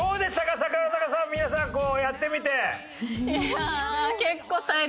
櫻坂さん皆さんやってみて。